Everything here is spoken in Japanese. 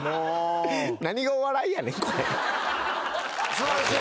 素晴らしい。